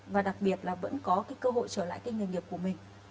và đặc biệt là vẫn có cơ hội trở lại kinh nghiệm của mình